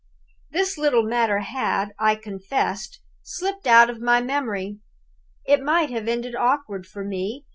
"This little matter had, I confess, slipped out of my memory. It might have ended awkwardly for me.